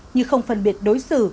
như không phân biệt đối xử